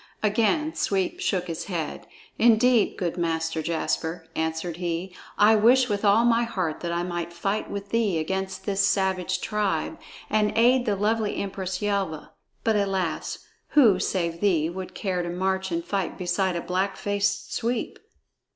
Again Sweep shook his head. "Indeed, good Master Jasper," answered he, "I wish with all my heart that I might fight with thee against this savage tribe and aid the lovely Empress Yelva; but alas! Who, save thee, would care to march and fight beside a black faced sweep?"